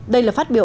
đây là phát biểu